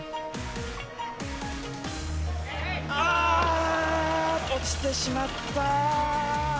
ああ、落ちてしまった。